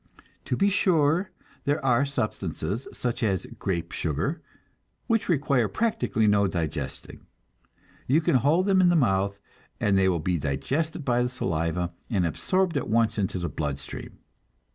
To be sure, there are substances, such as grape sugar, which require practically no digesting; you can hold them in the mouth, and they will be digested by the saliva, and absorbed at once into the blood stream.